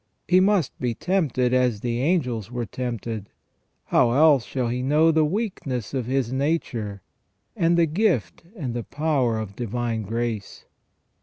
He must be tempted as the angels were tempted : how else shall he know the weakness of his nature and the gift and the power of divine grace